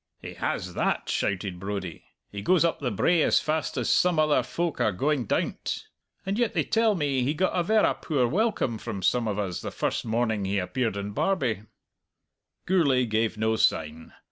"He has that!" shouted Brodie. "He goes up the brae as fast as some other folk are going down't. And yet they tell me he got a verra poor welcome from some of us the first morning he appeared in Barbie!" Gourlay gave no sign.